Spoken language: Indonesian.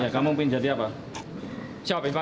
kamu bisa diapa